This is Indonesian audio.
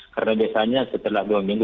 karena biasanya setelah dua minggu